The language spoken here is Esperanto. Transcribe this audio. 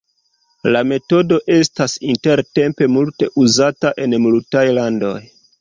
La metodo estas intertempe multe uzata en multaj landoj.